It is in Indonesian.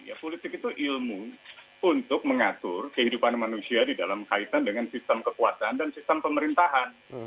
ya politik itu ilmu untuk mengatur kehidupan manusia di dalam kaitan dengan sistem kekuasaan dan sistem pemerintahan